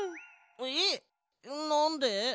えっなんで？